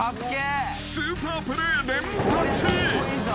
［スーパープレー連発］